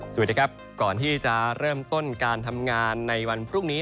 สวัสดีครับก่อนที่จะเริ่มต้นการทำงานในวันพรุ่งนี้